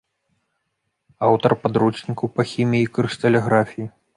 Аўтар падручнікаў па хіміі і крышталяграфіі.